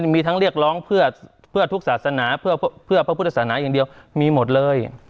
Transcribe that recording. มีทั้งเรียกร้องเพื่อทุกศาสนาเพื่อพระพุทธศาสนาอย่างเดียวมีหมดเลย